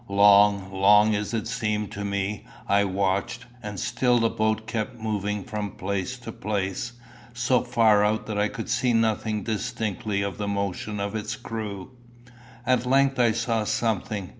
Long, long as it seemed to me, I watched, and still the boat kept moving from place to place, so far out that I could see nothing distinctly of the motions of its crew. At length I saw something.